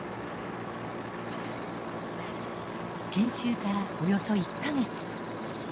研修からおよそ１か月。